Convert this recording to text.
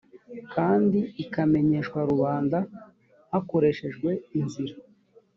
kandi ikamenyeshwa rubanda hakoreshejwe inzira